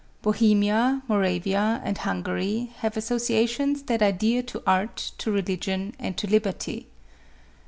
Bohemia, Moravia and Hun gary, have associations that are dear to art, to religion, and to liberty.